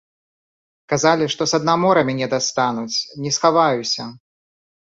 Казалі, што са дна мора мяне дастануць, не схаваюся.